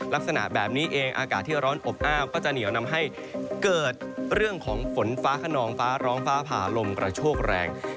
ลักษณะแบบนี้เองอากาศที่ร้อนอบอ้าวก็จะเหนียวนำให้เกิดเรื่องของฝนฟ้าขนองฟ้าร้องฟ้าผ่าลมกระโชกแรง